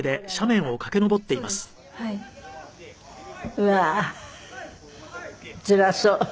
うわーつらそう。